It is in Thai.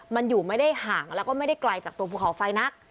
มันอยู่ไม่ได้ห่างแล้วก็ไม่ได้ไกลจากตัวภูเขาไฟนัก